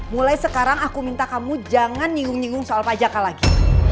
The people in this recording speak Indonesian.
mulai sekarang aku minta kamu jangan nyinggung nyinggung soal pajaknya lagi